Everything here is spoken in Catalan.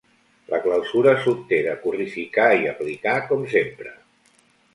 La clausura s'obté de currificar i aplicar, com sempre.